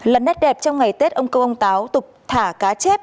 là nét đẹp trong ngày tết ông công ông táo tục thả cá chép